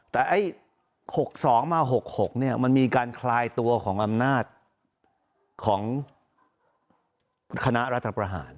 แต่๖๒มา๖๖มันมีการคลายตัวของอำนาจของคณะรัฐประหาร